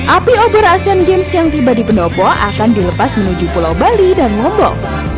api obor asian games yang tiba di pendopo akan dilepas menuju pulau bali dan lombok